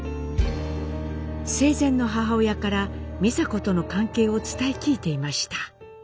生前の母親から美佐子との関係を伝え聞いていました。